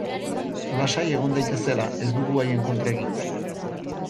Lasai egon daitezela, ez dugu haien kontra egingo.